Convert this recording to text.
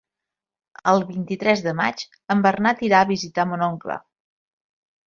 El vint-i-tres de maig en Bernat irà a visitar mon oncle.